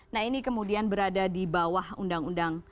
nah ini kemudian berada di bawah undang undang